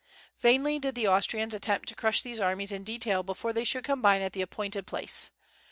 Vainly did the Austrians attempt to crush these armies in detail before they should combine at the appointed place.